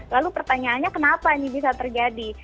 lalu pertanyaannya kenapa ini bisa terjadi